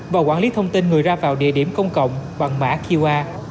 và quản lý thông tin người ra vào địa điểm công cộng bằng mã qr